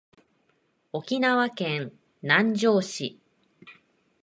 沖縄県南城市